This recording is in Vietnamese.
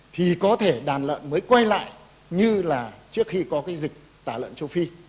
thì có thể đàn lợn mới quay lại như là trước khi có cái dịch tả lợn châu phi